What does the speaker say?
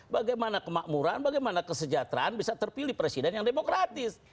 bagaimana kemakmuran bagaimana kesejahteraan bisa terpilih presiden yang demokratis